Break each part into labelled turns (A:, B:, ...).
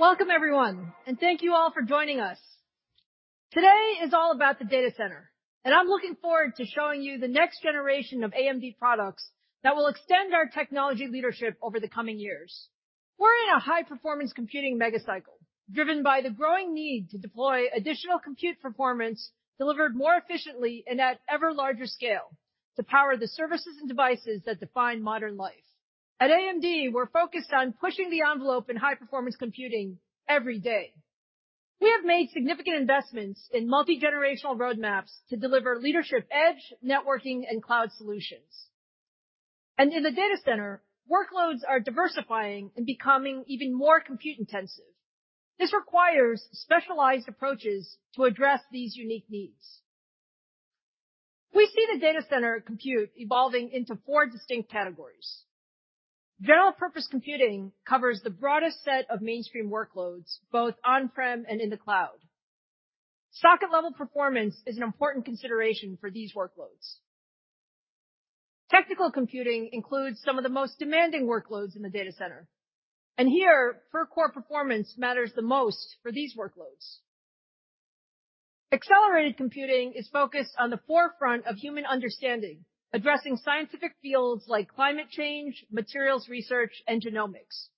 A: Welcome everyone, and thank you all for joining us. Today is all about the data center, and I'm looking forward to showing you the next generation of AMD products that will extend our technology leadership over the coming years. We're in a high performance computing mega cycle, driven by the growing need to deploy additional compute performance delivered more efficiently and at ever larger scale to power the services and devices that define modern life. At AMD, we're focused on pushing the envelope in high performance computing every day. We have made significant investments in multi-generational roadmaps to deliver leadership edge, networking, and cloud solutions. In the data center, workloads are diversifying and becoming even more compute intensive. This requires specialized approaches to address these unique needs. We see the data center compute evolving into four distinct categories. General purpose computing covers the broadest set of mainstream workloads, both on-prem and in the cloud. Socket level performance is an important consideration for these workloads. Technical computing includes some of the most demanding workloads in the data center, and here per core performance matters the most for these workloads. Accelerated computing is focused on the forefront of human understanding, addressing scientific fields like climate change, materials research, and genomics.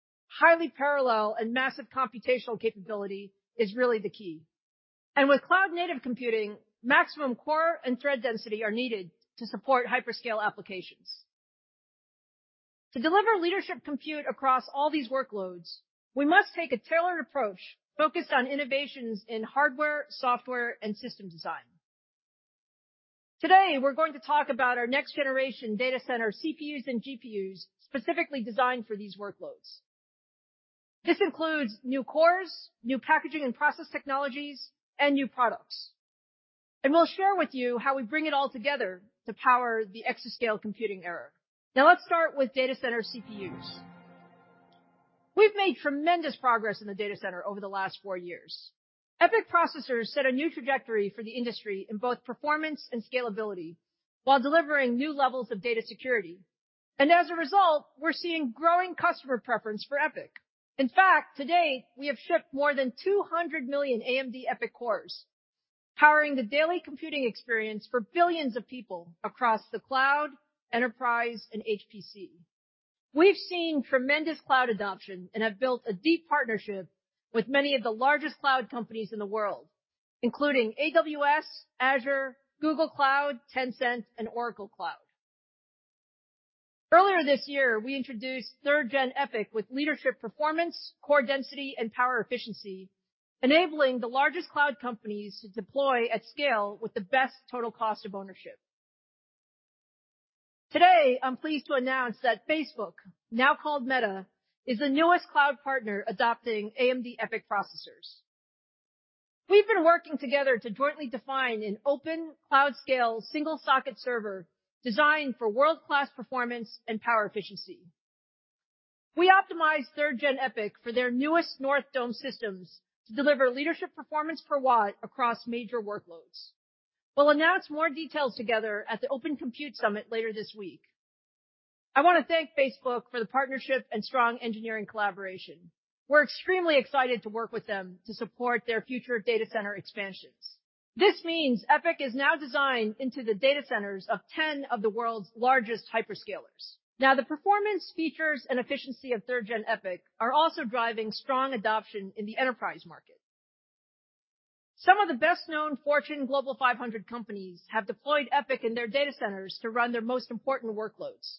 A: Highly parallel and massive computational capability is really the key. With cloud-native computing, maximum core and thread density are needed to support hyperscale applications. To deliver leadership compute across all these workloads, we must take a tailored approach focused on innovations in hardware, software, and system design. Today we're going to talk about our next generation data center CPUs and GPUs specifically designed for these workloads. This includes new cores, new packaging and process technologies, and new products. We'll share with you how we bring it all together to power the exascale computing era. Now let's start with data center CPUs. We've made tremendous progress in the data center over the last four years. EPYC processors set a new trajectory for the industry in both performance and scalability while delivering new levels of data security. As a result, we're seeing growing customer preference for EPYC. In fact, to date, we have shipped more than 200 million AMD EPYC cores, powering the daily computing experience for billions of people across the cloud, enterprise, and HPC. We've seen tremendous cloud adoption and have built a deep partnership with many of the largest cloud companies in the world, including AWS, Azure, Google Cloud, Tencent, and Oracle Cloud. Earlier this year, we introduced 3rd Gen EPYC with leadership performance, core density, and power efficiency, enabling the largest cloud companies to deploy at scale with the best total cost of ownership. Today, I'm pleased to announce that Facebook, now called Meta, is the newest cloud partner adopting AMD EPYC processors. We've been working together to jointly define an open cloud scale single socket server designed for world-class performance and power efficiency. We optimized 3rd Gen EPYC for their newest North Dome systems to deliver leadership performance per watt across major workloads. We'll announce more details together at the OCP Global Summit later this week. I wanna thank Facebook for the partnership and strong engineering collaboration. We're extremely excited to work with them to support their future data center expansions. This means EPYC is now designed into the data centers of 10 of the world's largest hyperscalers. The performance, features, and efficiency of 3rd Gen EPYC are also driving strong adoption in the enterprise market. Some of the best known Fortune Global 500 companies have deployed EPYC in their data centers to run their most important workloads.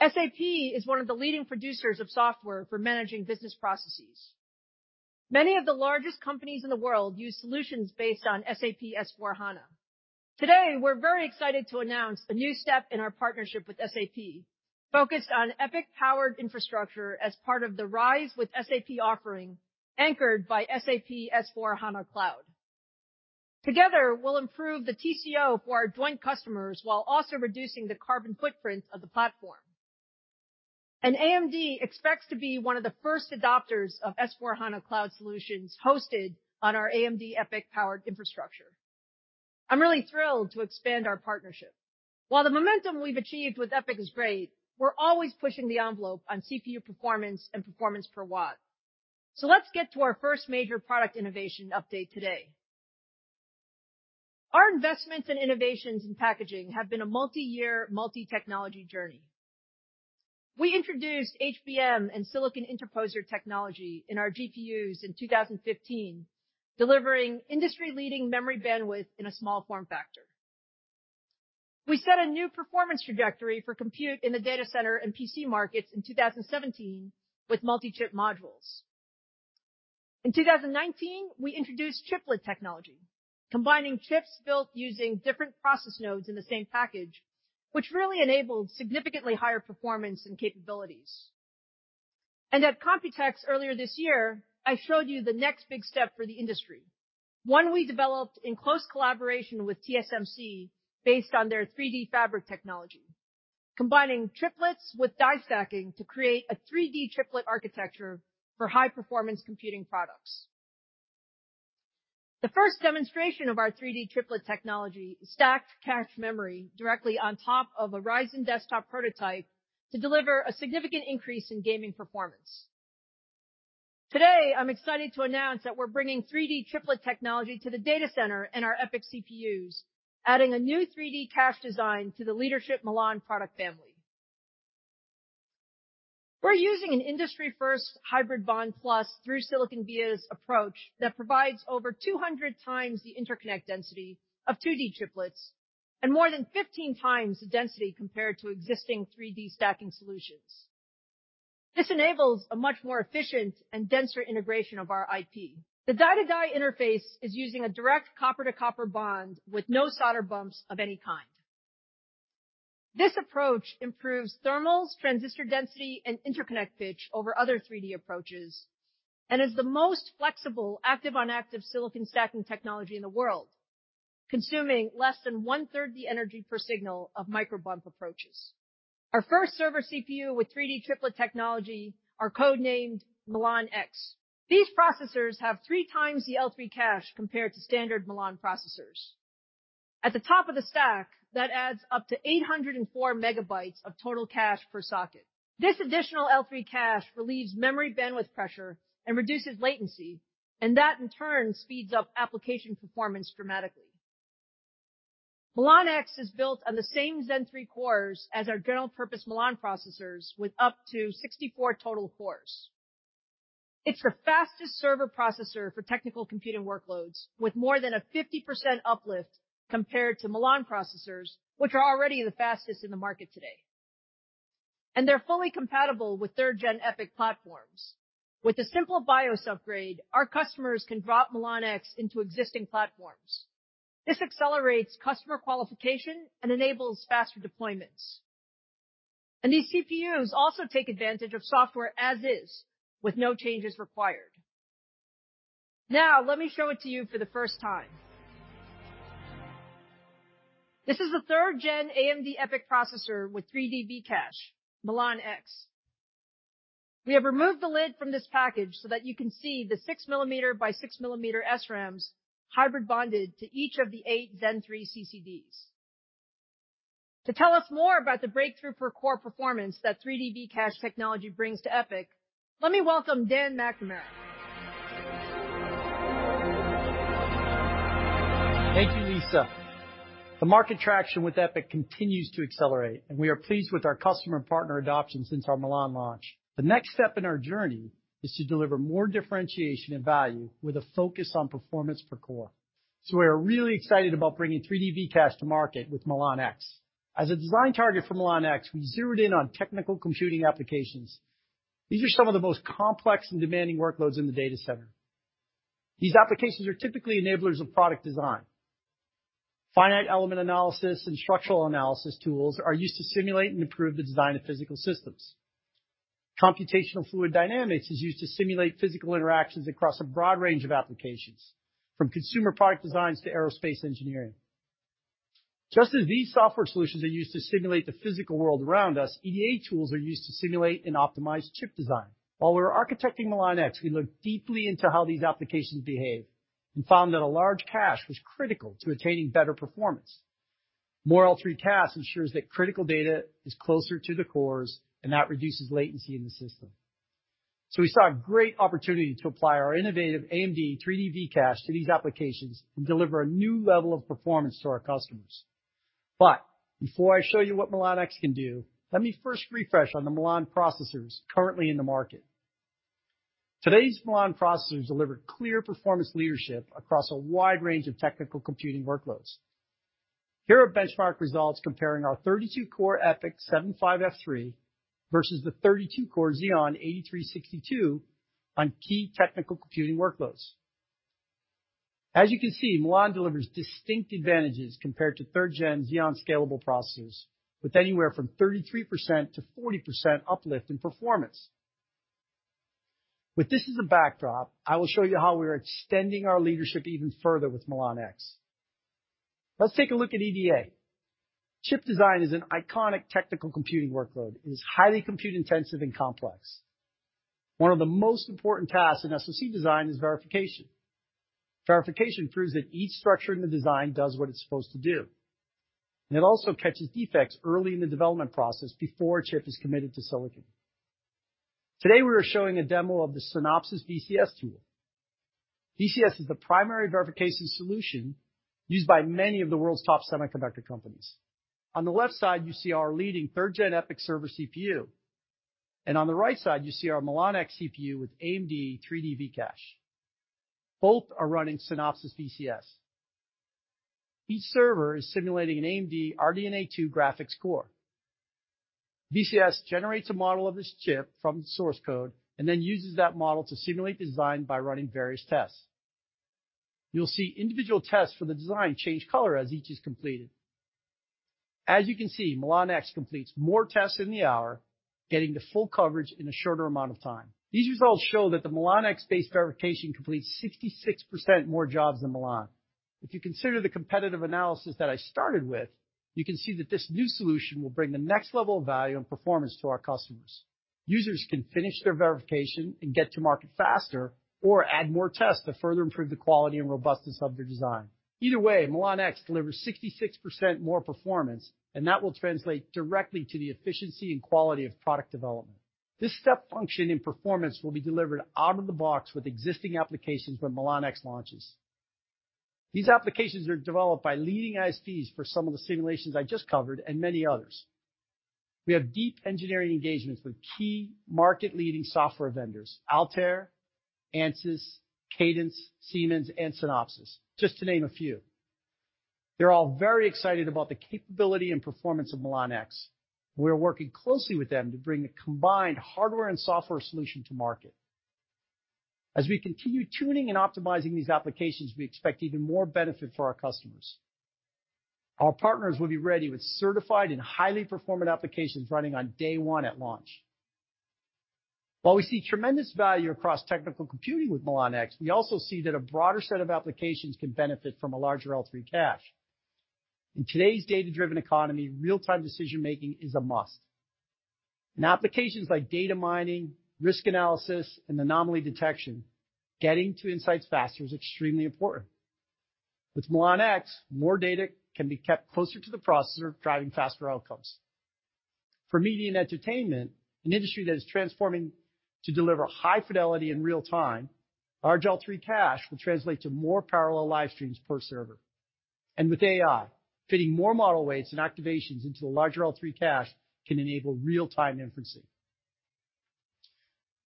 A: SAP is one of the leading producers of software for managing business processes. Many of the largest companies in the world use solutions based on SAP S/4HANA. Today, we're very excited to announce a new step in our partnership with SAP, focused on EPYC-powered infrastructure as part of the RISE with SAP offering, anchored by SAP S/4HANA Cloud. Together, we'll improve the TCO for our joint customers while also reducing the carbon footprint of the platform. AMD expects to be one of the first adopters of S/4HANA Cloud solutions hosted on our AMD EPYC-powered infrastructure. I'm really thrilled to expand our partnership. While the momentum we've achieved with EPYC is great, we're always pushing the envelope on CPU performance and performance per watt. So let's get to our first major product innovation update today. Our investments and innovations in packaging have been a multi-year, multi-technology journey. We introduced HBM and silicon interposer technology in our GPUs in 2015, delivering industry-leading memory bandwidth in a small form factor. We set a new performance trajectory for compute in the data center and PC markets in 2017 with multi-chip modules. In 2019, we introduced chiplet technology, combining chips built using different process nodes in the same package, which really enabled significantly higher performance and capabilities. At Computex earlier this year, I showed you the next big step for the industry, one we developed in close collaboration with TSMC based on their 3D Fabric technology. Combining chiplets with die stacking to create a 3D chiplet architecture for high-performance computing products. The first demonstration of our 3D chiplet technology is stacked cache memory directly on top of a Ryzen desktop prototype to deliver a significant increase in gaming performance. Today, I'm excited to announce that we're bringing 3D chiplet technology to the data center and our EPYC CPUs, adding a new 3D cache design to the leadership Milan product family. We're using an industry-first hybrid bonding plus through-silicon vias approach that provides over 200 times the interconnect density of 2D chiplets and more than 15 times the density compared to existing 3D stacking solutions. This enables a much more efficient and denser integration of our IP. The die-to-die interface is using a direct copper-to-copper bond with no solder bumps of any kind. This approach improves thermals, transistor density, and interconnect pitch over other 3D approaches and is the most flexible, active on active silicon stacking technology in the world, consuming less than one-third the energy per signal of micro bump approaches. Our first server CPU with 3D V-Cache technology are code-named Milan-X. These processors have 3 times the L3 cache compared to standard Milan processors. At the top of the stack, that adds up to 804 MB of total cache per socket. This additional L3 cache relieves memory bandwidth pressure and reduces latency, and that in turn speeds up application performance dramatically. Milan-X is built on the same Zen 3 cores as our general purpose Milan processors with up to 64 total cores. It's the fastest server processor for technical computing workloads with more than a 50% uplift compared to Milan processors, which are already the fastest in the market today. They're fully compatible with 3rd Gen EPYC platforms. With a simple BIOS upgrade, our customers can drop Milan-X into existing platforms. This accelerates customer qualification and enables faster deployments. These CPUs also take advantage of software as is, with no changes required. Now let me show it to you for the first time. This is the 3rd Gen AMD EPYC processor with 3D V-Cache, Milan-X. We have removed the lid from this package so that you can see the 6 mm by 6 mm SRAMs hybrid bonded to each of the eight Zen 3 CCDs. To tell us more about the breakthrough per core performance that 3D V-Cache technology brings to EPYC, let me welcome Dan McNamara.
B: Thank you, Lisa. The market traction with EPYC continues to accelerate, and we are pleased with our customer partner adoption since our Milan launch. The next step in our journey is to deliver more differentiation and value with a focus on performance per core. We are really excited about bringing 3D V-Cache to market with Milan-X. As a design target for Milan-X, we zeroed in on technical computing applications. These are some of the most complex and demanding workloads in the data center. These applications are typically enablers of product design. Finite element analysis and structural analysis tools are used to simulate and improve the design of physical systems. Computational fluid dynamics is used to simulate physical interactions across a broad range of applications, from consumer product designs to aerospace engineering. Just as these software solutions are used to simulate the physical world around us, EDA tools are used to simulate and optimize chip design. While we were architecting Milan-X, we looked deeply into how these applications behave and found that a large cache was critical to attaining better performance. More L3 cache ensures that critical data is closer to the cores, and that reduces latency in the system. We saw a great opportunity to apply our innovative AMD 3D V-Cache to these applications and deliver a new level of performance to our customers. Before I show you what Milan-X can do, let me first refresh you on the Milan processors currently in the market. Today's Milan processors deliver clear performance leadership across a wide range of technical computing workloads. Here are benchmark results comparing our 32-core EPYC 75F3 versus the 32-core Xeon 8362 on key technical computing workloads. As you can see, Milan delivers distinct advantages compared to 3rd Gen Xeon Scalable processors with anywhere from 33%-40% uplift in performance. With this as a backdrop, I will show you how we are extending our leadership even further with Milan-X. Let's take a look at EDA. Chip design is an iconic technical computing workload. It is highly compute intensive and complex. One of the most important tasks in SoC design is verification. Verification proves that each structure in the design does what it's supposed to do. It also catches defects early in the development process before a chip is committed to silicon. Today, we are showing a demo of the Synopsys VCS tool. VCS is the primary verification solution used by many of the world's top semiconductor companies. On the left side, you see our leading 3rd Gen EPYC server CPU, and on the right side, you see our Milan-X CPU with AMD 3D V-Cache. Both are running Synopsys VCS. Each server is simulating an AMD RDNA 2 graphics core. VCS generates a model of this chip from source code and then uses that model to simulate design by running various tests. You'll see individual tests for the design change color as each is completed. As you can see, Milan-X completes more tests in an hour, getting to full coverage in a shorter amount of time. These results show that the Milan-X based verification completes 66% more jobs than Milan. If you consider the competitive analysis that I started with, you can see that this new solution will bring the next level of value and performance to our customers. Users can finish their verification and get to market faster or add more tests to further improve the quality and robustness of their design. Either way, Milan-X delivers 66% more performance, and that will translate directly to the efficiency and quality of product development. This step function in performance will be delivered out of the box with existing applications when Milan-X launches. These applications are developed by leading ISVs for some of the simulations I just covered and many others. We have deep engineering engagements with key market-leading software vendors, Altair, Ansys, Cadence, Siemens, and Synopsys, just to name a few. They're all very excited about the capability and performance of Milan-X. We're working closely with them to bring the combined hardware and software solution to market. As we continue tuning and optimizing these applications, we expect even more benefit for our customers. Our partners will be ready with certified and highly performant applications running on day one at launch. While we see tremendous value across technical computing with Milan-X, we also see that a broader set of applications can benefit from a larger L3 cache. In today's data-driven economy, real-time decision-making is a must. In applications like data mining, risk analysis, and anomaly detection, getting to insights faster is extremely important. With Milan-X, more data can be kept closer to the processor, driving faster outcomes. For media and entertainment, an industry that is transforming to deliver high fidelity in real time, large L3 cache will translate to more parallel live streams per server. With AI, fitting more model weights and activations into a larger L3 cache can enable real-time inferencing.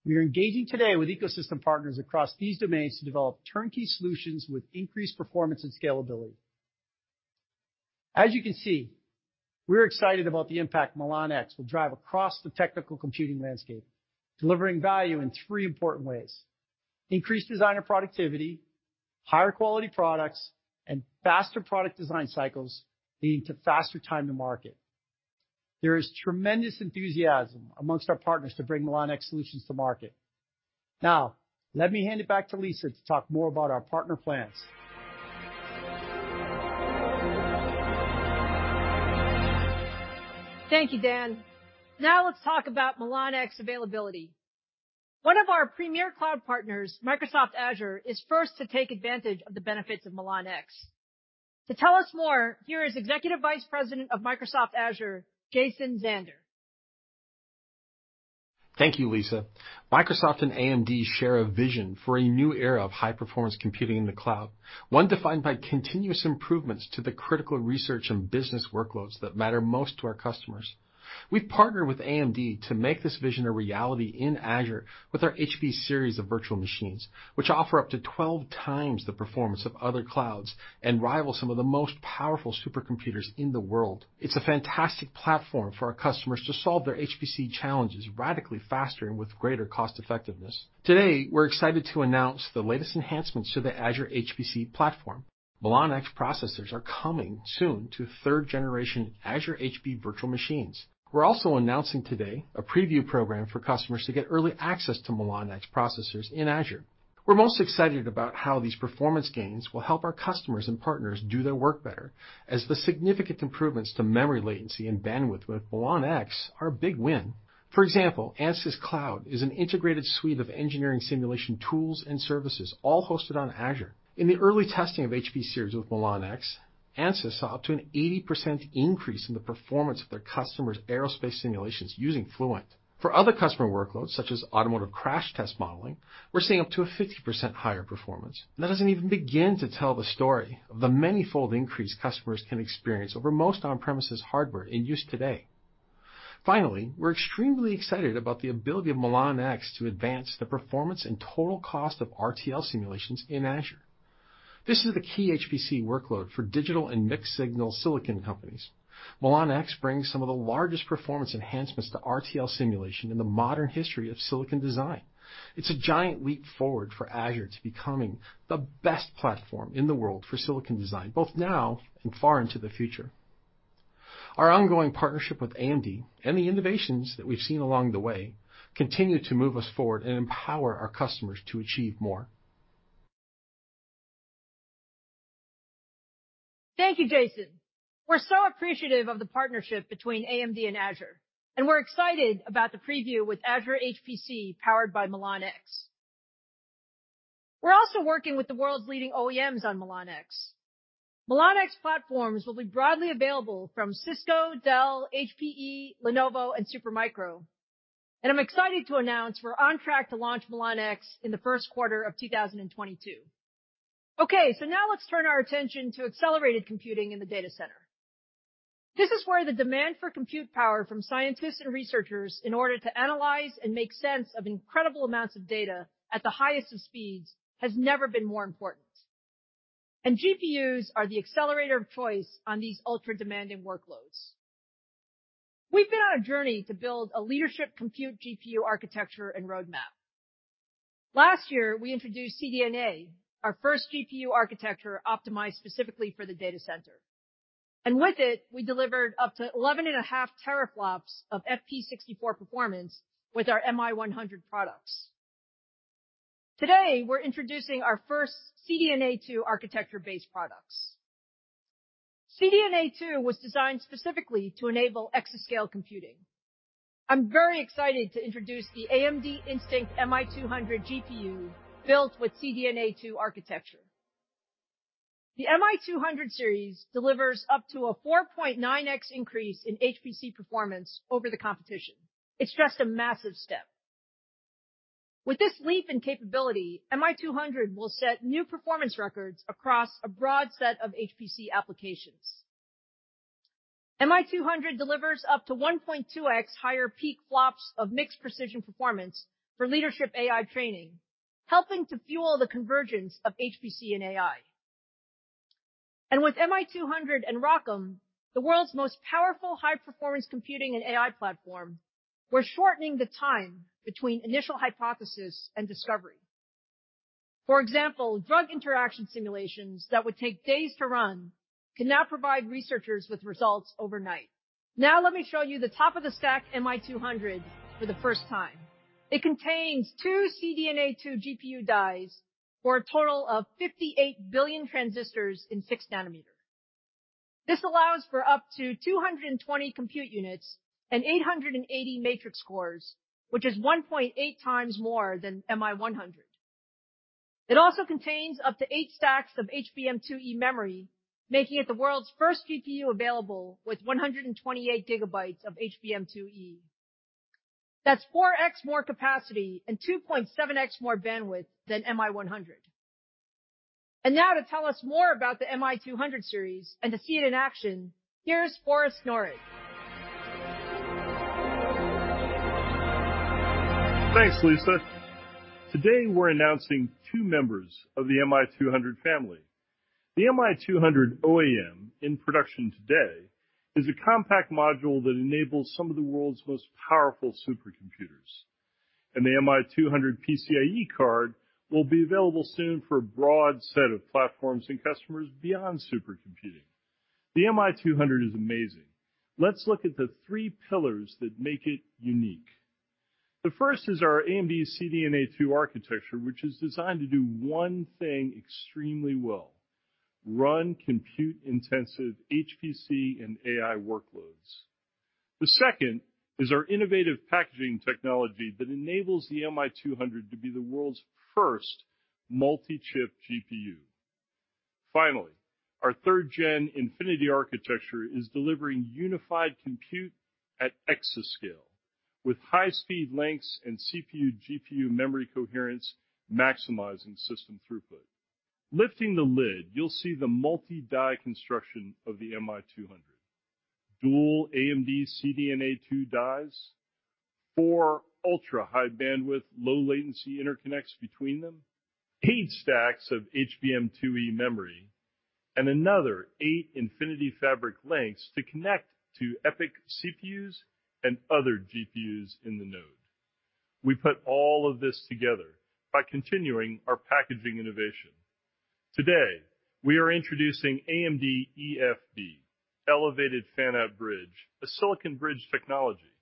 B: We are engaging today with ecosystem partners across these domains to develop turnkey solutions with increased performance and scalability. As you can see, we're excited about the impact Milan-X will drive across the technical computing landscape, delivering value in three important ways, increased designer productivity, higher quality products, and faster product design cycles, leading to faster time to market. There is tremendous enthusiasm among our partners to bring Milan-X solutions to market. Now, let me hand it back to Lisa to talk more about our partner plans.
A: Thank you, Dan. Now let's talk about Milan-X availability. One of our premier cloud partners, Microsoft Azure, is first to take advantage of the benefits of Milan-X. To tell us more, here is Executive Vice President of Microsoft Azure, Jason Zander.
C: Thank you, Lisa. Microsoft and AMD share a vision for a new era of high-performance computing in the cloud. One defined by continuous improvements to the critical research and business workloads that matter most to our customers. We've partnered with AMD to make this vision a reality in Azure with our HB-series of virtual machines, which offer up to 12 times the performance of other clouds and rival some of the most powerful supercomputers in the world. It's a fantastic platform for our customers to solve their HPC challenges radically faster and with greater cost-effectiveness. Today, we're excited to announce the latest enhancements to the Azure HPC platform. Milan-X processors are coming soon to third-generation Azure HB-series virtual machines. We're also announcing today a preview program for customers to get early access to Milan-X processors in Azure. We're most excited about how these performance gains will help our customers and partners do their work better, as the significant improvements to memory latency and bandwidth with Milan-X are a big win. For example, Ansys Cloud is an integrated suite of engineering simulation tools and services all hosted on Azure. In the early testing of HB-series with Milan-X, Ansys saw up to an 80% increase in the performance of their customers' aerospace simulations using Fluent. For other customer workloads, such as automotive crash test modeling, we're seeing up to a 50% higher performance. That doesn't even begin to tell the story of the manifold increase customers can experience over most on-premises hardware in use today. Finally, we're extremely excited about the ability of Milan-X to advance the performance and total cost of RTL simulations in Azure. This is the key HPC workload for digital and mixed-signal silicon companies. Milan-X brings some of the largest performance enhancements to RTL simulation in the modern history of silicon design. It's a giant leap forward for Azure to becoming the best platform in the world for silicon design, both now and far into the future. Our ongoing partnership with AMD and the innovations that we've seen along the way continue to move us forward and empower our customers to achieve more.
A: Thank you, Jason. We're so appreciative of the partnership between AMD and Azure, and we're excited about the preview with Azure HPC powered by Milan-X. We're also working with the world's leading OEMs on Milan-X. Milan-X platforms will be broadly available from Cisco, Dell, HPE, Lenovo, and Supermicro. I'm excited to announce we're on track to launch Milan-X in the first quarter of 2022. Okay, now let's turn our attention to accelerated computing in the data center. This is where the demand for compute power from scientists and researchers in order to analyze and make sense of incredible amounts of data at the highest of speeds has never been more important. GPUs are the accelerator of choice on these ultra demanding workloads. We've been on a journey to build a leadership compute GPU architecture and roadmap. Last year, we introduced CDNA, our first GPU architecture optimized specifically for the data center. With it, we delivered up to 11.5 teraflops of FP64 performance with our MI100 products. Today, we're introducing our first CDNA 2 architecture-based products. CDNA 2 was designed specifically to enable exascale computing. I'm very excited to introduce the AMD Instinct MI200 GPU, built with CDNA 2 architecture. The MI200 series delivers up to a 4.9x increase in HPC performance over the competition. It's just a massive step. With this leap in capability, MI200 will set new performance records across a broad set of HPC applications. MI200 delivers up to 1.2x higher peak flops of mixed precision performance for leadership AI training, helping to fuel the convergence of HPC and AI. With MI200 and ROCm, the world's most powerful high-performance computing and AI platform, we're shortening the time between initial hypothesis and discovery. For example, drug interaction simulations that would take days to run can now provide researchers with results overnight. Now let me show you the top of the stack MI200 for the first time. It contains two CDNA 2 GPU dies for a total of 58 billion transistors in 6 nanometers. This allows for up to 220 compute units and 880 matrix cores, which is 1.8x more than MI100. It also contains up to eight stacks of HBM2E memory, making it the world's first GPU available with 128 GB of HBM2E. That's 4x more capacity and 2.7x more bandwidth than MI100. Now to tell us more about the MI200 series and to see it in action, here's Forrest Norrod.
D: Thanks, Lisa. Today, we're announcing two members of the MI200 family. The MI200 OEM in production today is a compact module that enables some of the world's most powerful supercomputers. The MI200 PCIe card will be available soon for a broad set of platforms and customers beyond supercomputing. The MI200 is amazing. Let's look at the three pillars that make it unique. The first is our AMD CDNA 2 architecture, which is designed to do one thing extremely well, run compute-intensive HPC and AI workloads. The second is our innovative packaging technology that enables the MI200 to be the world's first multi-chip GPU. Finally, our third-gen Infinity Architecture is delivering unified compute at exascale with high-speed links and CPU, GPU, memory coherence, maximizing system throughput. Lifting the lid, you'll see the multi-die construction of the MI200. Dual AMD CDNA 2 dies, 4 ultra-high bandwidth, low latency interconnects between them, eight stacks of HBM2E memory, and another eight Infinity Fabric links to connect to EPYC CPUs and other GPUs in the node. We put all of this together by continuing our packaging innovation. Today, we are introducing AMD EFB, Elevated Fanout Bridge, a silicon bridge technology.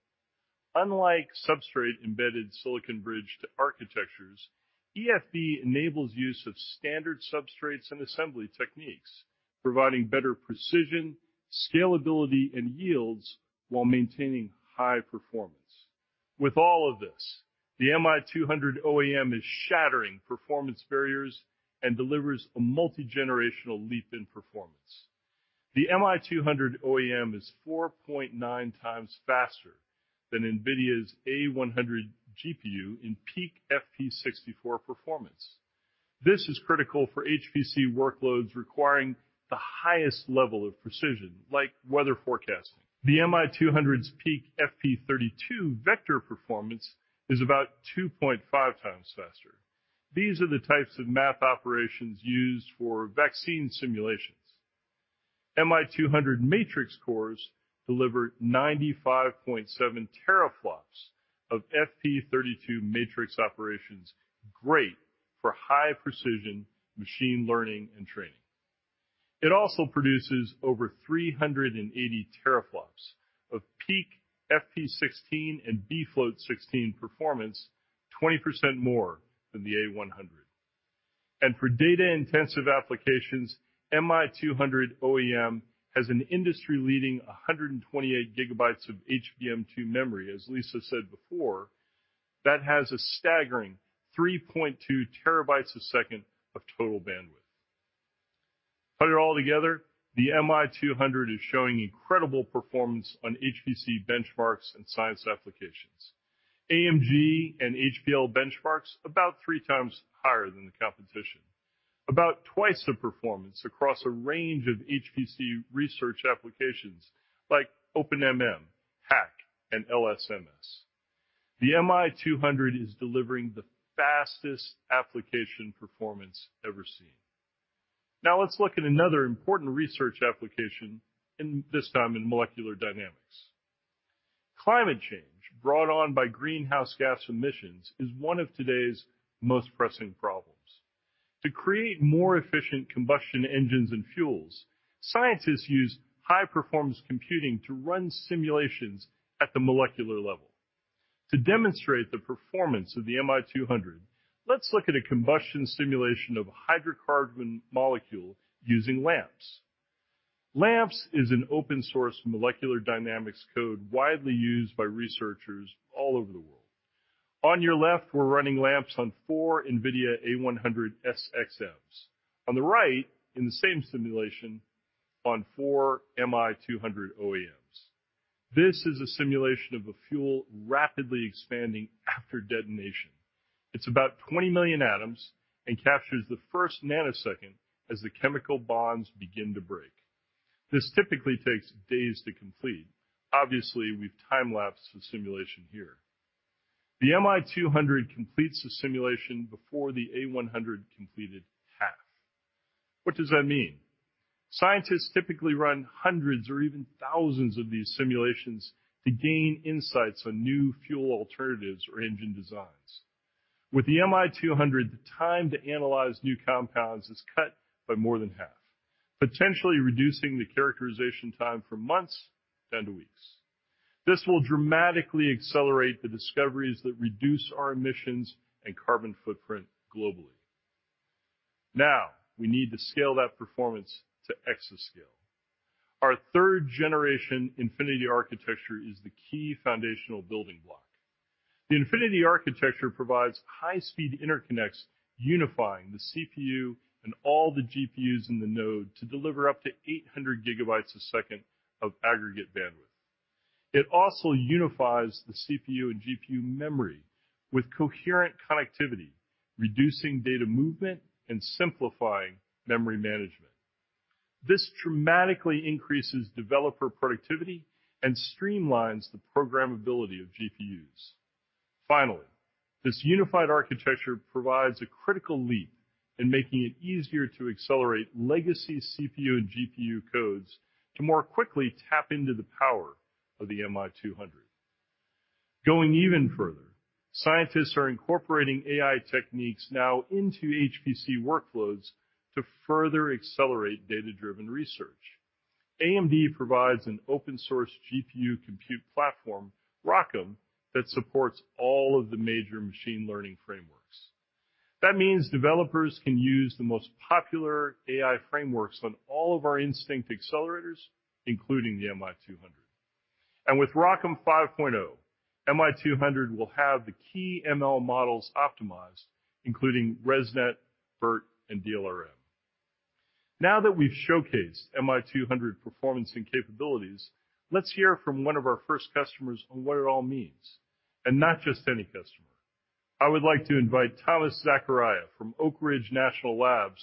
D: Unlike substrate-embedded silicon bridge to architectures, EFB enables use of standard substrates and assembly techniques, providing better precision, scalability, and yields while maintaining high performance. With all of this, the MI200 OEM is shattering performance barriers and delivers a multi-generational leap in performance. The MI200 OEM is 4.9x faster than NVIDIA's A100 GPU in peak FP64 performance. This is critical for HPC workloads requiring the highest level of precision, like weather forecasting. The MI200's peak FP32 vector performance is about 2.5x faster. These are the types of matrix operations used for vaccine simulations. MI200 matrix cores deliver 95.7 teraflops of FP32 matrix operations, great for high precision machine learning and training. It also produces over 380 teraflops of peak FP16 and bfloat16 performance, 20% more than the A100. For data-intensive applications, MI200 OEM has an industry-leading 128 GB of HBM2E memory, as Lisa said before, that has a staggering 3.2 TB/s of total bandwidth. Put it all together, the MI200 is showing incredible performance on HPC benchmarks and science applications. AMG and HPL benchmarks about 3x higher than the competition. About twice the performance across a range of HPC research applications like OpenMM, HACC, and LSMS. The MI200 is delivering the fastest application performance ever seen. Now let's look at another important research application, this time in molecular dynamics. Climate change brought on by greenhouse gas emissions is one of today's most pressing problems. To create more efficient combustion engines and fuels, scientists use high-performance computing to run simulations at the molecular level. To demonstrate the performance of the MI200, let's look at a combustion simulation of a hydrocarbon molecule using LAMMPS. LAMMPS is an open source molecular dynamics code widely used by researchers all over the world. On your left, we're running LAMMPS on 4 NVIDIA A100 SXM s. On the right, in the same simulation, on four MI200 OAMs. This is a simulation of a fuel rapidly expanding after detonation. It's about 20 million atoms and captures the first nanosecond as the chemical bonds begin to break. This typically takes days to complete. Obviously, we've time-lapsed the simulation here. The MI200 completes the simulation before the A100 completed half. What does that mean? Scientists typically run hundreds or even thousands of these simulations to gain insights on new fuel alternatives or engine designs. With the MI200, the time to analyze new compounds is cut by more than half, potentially reducing the characterization time from months down to weeks. This will dramatically accelerate the discoveries that reduce our emissions and carbon footprint globally. Now, we need to scale that performance to exascale. Our third generation Infinity Architecture is the key foundational building block. The Infinity Architecture provides high speed interconnects, unifying the CPU and all the GPUs in the node to deliver up to 800 GB/second of aggregate bandwidth. It also unifies the CPU and GPU memory with coherent connectivity, reducing data movement and simplifying memory management. This dramatically increases developer productivity and streamlines the programmability of GPUs. Finally, this unified architecture provides a critical leap in making it easier to accelerate legacy CPU and GPU codes to more quickly tap into the power of the MI200. Going even further, scientists are incorporating AI techniques now into HPC workloads to further accelerate data-driven research. AMD provides an open source GPU compute platform, ROCm, that supports all of the major machine learning frameworks. That means developers can use the most popular AI frameworks on all of our Instinct accelerators, including the MI200. With ROCm 5.0, MI200 will have the key ML models optimized, including ResNet, BERT, and DLRM. Now that we've showcased MI200 performance and capabilities, let's hear from one of our first customers on what it all means, and not just any customer. I would like to invite Thomas Zacharia from Oak Ridge National Laboratory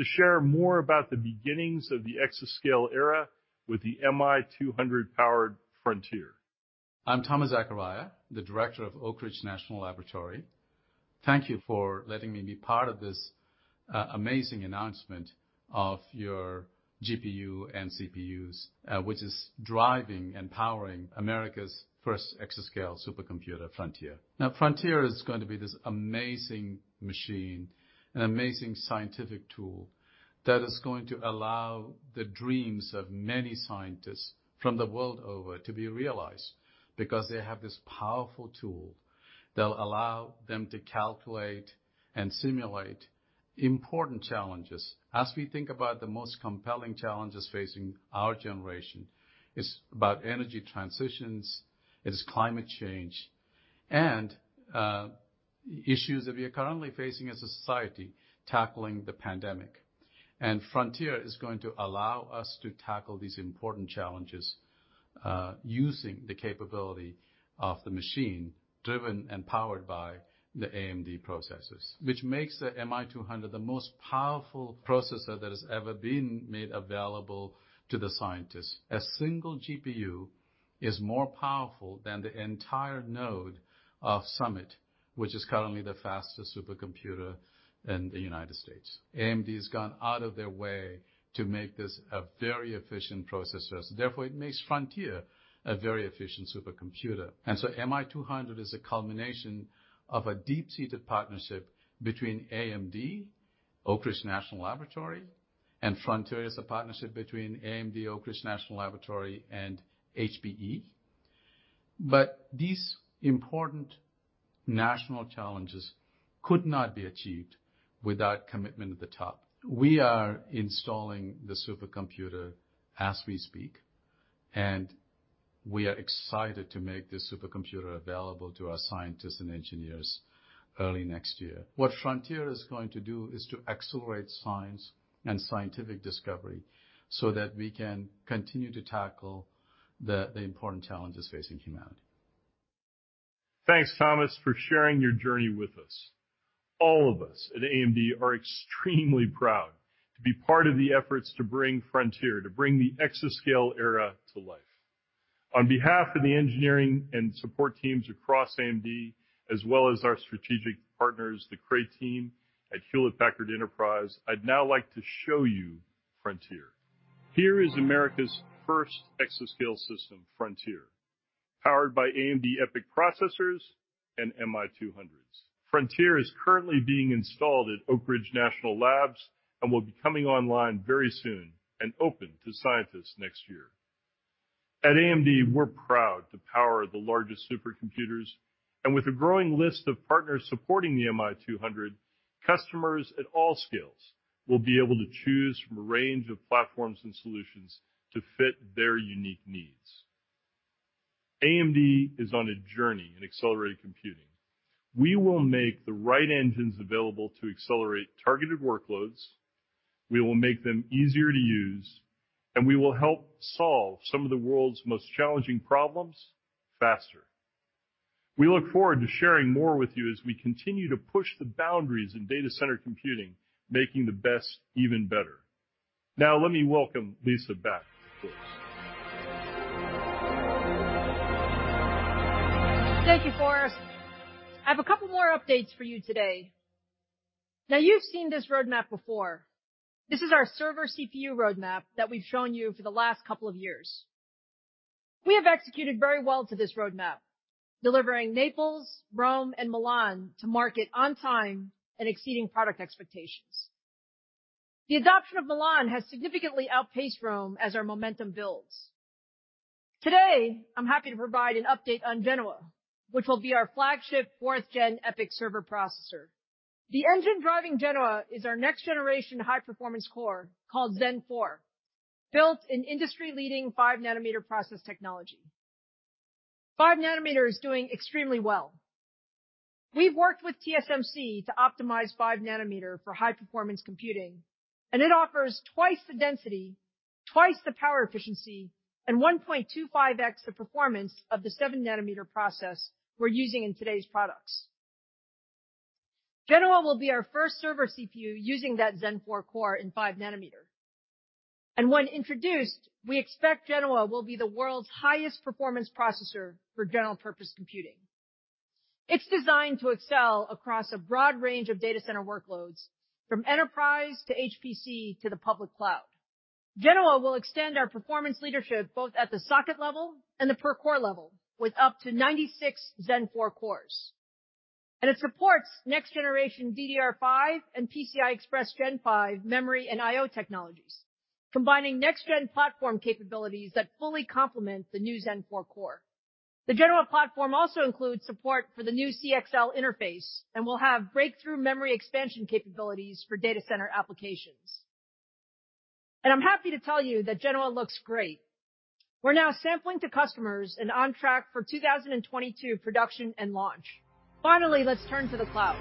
D: to share more about the beginnings of the exascale era with the MI200 powered Frontier.
E: I'm Thomas Zacharia, the Director of Oak Ridge National Laboratory. Thank you for letting me be part of this, amazing announcement of your GPU and CPUs, which is driving and powering America's first exascale supercomputer, Frontier. Now, Frontier is going to be this amazing machine, an amazing scientific tool that is going to allow the dreams of many scientists from the world over to be realized. Because they have this powerful tool that'll allow them to calculate and simulate important challenges. As we think about the most compelling challenges facing our generation, it's about energy transitions, it is climate change, and, issues that we are currently facing as a society, tackling the pandemic. Frontier is going to allow us to tackle these important challenges, using the capability of the machine, driven and powered by the AMD processors, which makes the MI200 the most powerful processor that has ever been made available to the scientists. A single GPU is more powerful than the entire node of Summit, which is currently the fastest supercomputer in the United States. AMD has gone out of their way to make this a very efficient processor. Therefore, it makes Frontier a very efficient supercomputer. MI200 is a culmination of a deep-seated partnership between AMD, Oak Ridge National Laboratory. Frontier is a partnership between AMD, Oak Ridge National Laboratory, and HPE. These important national challenges could not be achieved without commitment at the top. We are installing the supercomputer as we speak, and we are excited to make this supercomputer available to our scientists and engineers early next year. What Frontier is going to do is to accelerate science and scientific discovery so that we can continue to tackle the important challenges facing humanity.
D: Thanks, Thomas, for sharing your journey with us. All of us at AMD are extremely proud to be part of the efforts to bring Frontier, to bring the exascale era to life. On behalf of the engineering and support teams across AMD, as well as our strategic partners, the Cray team at Hewlett Packard Enterprise, I'd now like to show you Frontier. Here is America's first exascale system, Frontier, powered by AMD EPYC processors and MI200s. Frontier is currently being installed at Oak Ridge National Laboratory and will be coming online very soon and open to scientists next year. At AMD, we're proud to power the largest supercomputers, and with a growing list of partners supporting the MI200, customers at all scales will be able to choose from a range of platforms and solutions to fit their unique needs. AMD is on a journey in accelerated computing. We will make the right engines available to accelerate targeted workloads. We will make them easier to use, and we will help solve some of the world's most challenging problems faster. We look forward to sharing more with you as we continue to push the boundaries in data center computing, making the best even better. Now let me welcome Lisa back, please.
A: Thank you, Forrest. I have a couple more updates for you today. Now, you've seen this roadmap before. This is our server CPU roadmap that we've shown you for the last couple of years. We have executed very well to this roadmap, delivering Naples, Rome, and Milan to market on time and exceeding product expectations. The adoption of Milan has significantly outpaced Rome as our momentum builds. Today, I'm happy to provide an update on Genoa, which will be our flagship fourth-gen EPYC server processor. The engine driving Genoa is our next generation high-performance core, called Zen 4, built in industry-leading five-nanometer process technology. Five-nanometer is doing extremely well. We've worked with TSMC to optimize five-nanometer for high-performance computing, and it offers twice the density, twice the power efficiency, and 1.25x the performance of the seven-nanometer process we're using in today's products. Genoa will be our first server CPU using that Zen 4 core in 5-nanometer. When introduced, we expect Genoa will be the world's highest performance processor for general purpose computing. It's designed to excel across a broad range of data center workloads, from enterprise to HPC to the public cloud. Genoa will extend our performance leadership both at the socket level and the per core level with up to 96 Zen 4 cores. It supports next generation DDR5 and PCIe Gen 5 memory and IO technologies, combining next gen platform capabilities that fully complement the new Zen 4 core. The Genoa platform also includes support for the new CXL interface and will have breakthrough memory expansion capabilities for data center applications. I'm happy to tell you that Genoa looks great. We're now sampling to customers and on track for 2022 production and launch. Finally, let's turn to the cloud.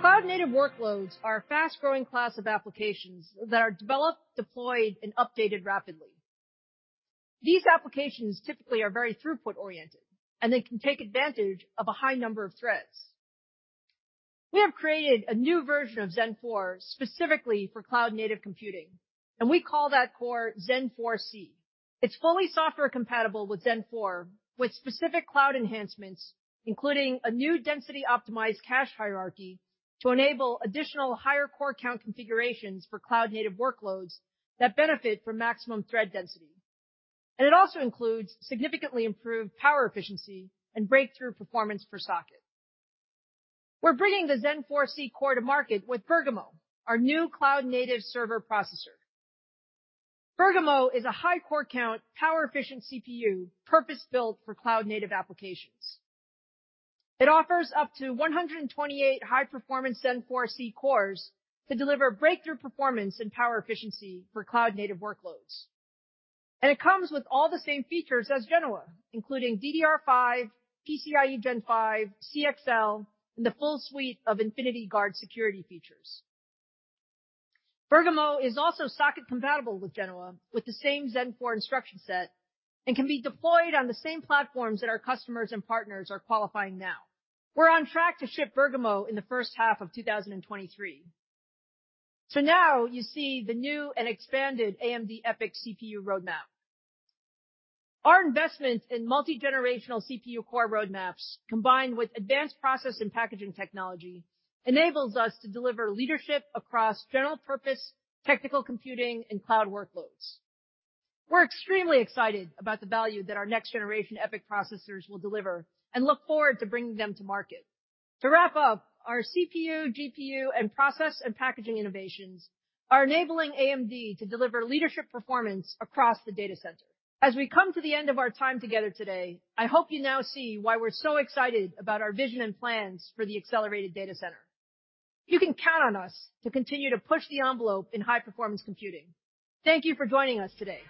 A: Cloud native workloads are a fast-growing class of applications that are developed, deployed, and updated rapidly. These applications typically are very throughput-oriented, and they can take advantage of a high number of threads. We have created a new version of Zen 4 specifically for cloud native computing, and we call that core Zen 4c. It's fully software compatible with Zen 4, with specific cloud enhancements, including a new density optimized cache hierarchy to enable additional higher core count configurations for cloud native workloads that benefit from maximum thread density. It also includes significantly improved power efficiency and breakthrough performance per socket. We're bringing the Zen 4c core to market with Bergamo, our new cloud native server processor. Bergamo is a high core count, power efficient CPU purpose-built for cloud native applications. It offers up to 128 high performance Zen 4C cores to deliver breakthrough performance and power efficiency for cloud native workloads. It comes with all the same features as Genoa, including DDR5, PCIe Gen 5, CXL, and the full suite of Infinity Guard security features. Bergamo is also socket compatible with Genoa with the same Zen 4 instruction set and can be deployed on the same platforms that our customers and partners are qualifying now. We're on track to ship Bergamo in the first half of 2023. Now you see the new and expanded AMD EPYC CPU roadmap. Our investment in multi-generational CPU core roadmaps, combined with advanced process and packaging technology, enables us to deliver leadership across general purpose, technical computing, and cloud workloads. We're extremely excited about the value that our next generation EPYC processors will deliver and look forward to bringing them to market. To wrap up, our CPU, GPU, and process and packaging innovations are enabling AMD to deliver leadership performance across the data center. As we come to the end of our time together today, I hope you now see why we're so excited about our vision and plans for the accelerated data center. You can count on us to continue to push the envelope in high-performance computing. Thank you for joining us today.